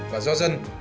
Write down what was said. và do dân